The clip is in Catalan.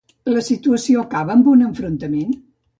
La situació acaba en un enfrontament?